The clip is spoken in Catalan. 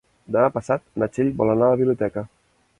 Demà passat na Txell vol anar a la biblioteca.